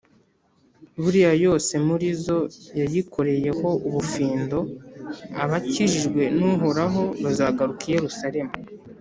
Buri yose muri zo yayikoreyeho ubufindo, Abakijijwe n’Uhoraho bazagaruka i Yeruzalemu